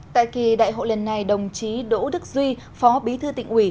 tại kỳ đại hội lần này đồng chí đỗ đức duy phó bí thư tỉnh ủy